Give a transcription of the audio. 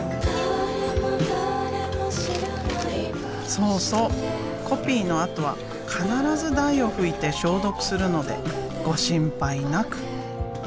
そうそうコピーのあとは必ず台を拭いて消毒するのでご心配なく。